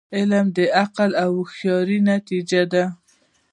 علم د عقل او هوښیاری نتیجه ده.